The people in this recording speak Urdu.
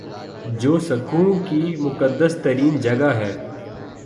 جو سکھوں کی مقدس ترین جگہ ہے